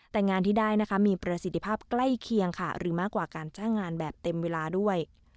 แต่งานที่ได้นะคะมีประสิทธิภาพใกล้เคียงค่ะหรือมากกว่าการจ้างงานแบบเต็มเวลาด้วย